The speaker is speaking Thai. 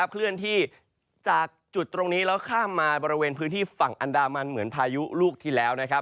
เคลื่อนที่จากจุดตรงนี้แล้วข้ามมาบริเวณพื้นที่ฝั่งอันดามันเหมือนพายุลูกที่แล้ว